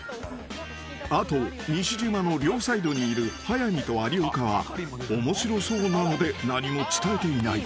［あと西島の両サイドにいる早見と有岡は面白そうなので何も伝えていない］